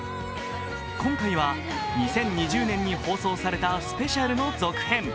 今回は２０２０年に放送されたスペシャルの続編。